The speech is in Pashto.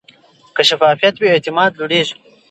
که شفافیت وي، اعتماد لوړېږي.